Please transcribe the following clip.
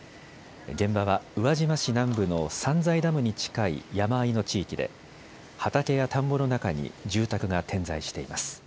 現場は宇和島市南部の山財ダムに近い山あいの地域で畑や田んぼの中に住宅が点在しています。